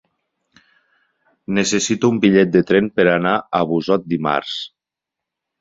Necessito un bitllet de tren per anar a Busot dimarts.